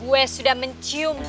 gue sudah mencium